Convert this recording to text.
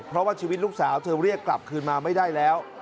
เพราะว่าชีวิตลูกสาวเธอเรียกกลับคืนมาไม่ได้แล้ว